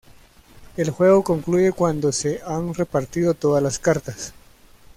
El juego concluye cuando se han repartido todas las cartas.